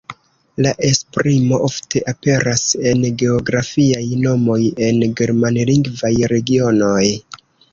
La esprimo ofte aperas en geografiaj nomoj en germanlingvaj regionoj.